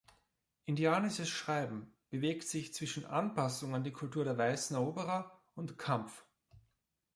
Indianisches Schreiben bewegt sich zwischen Anpassung an die Kultur der weißen Eroberer und Kampf.